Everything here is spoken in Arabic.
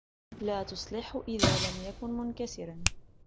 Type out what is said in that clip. لا تُصلحهُ إذا لم يكن منكسراً.